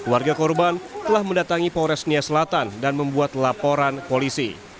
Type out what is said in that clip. warga korban telah mendatangi polres nia selatan dan membuat laporan polisi